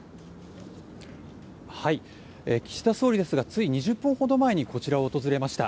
岸田総理ですがつい２０分ほど前にこちらを訪れました。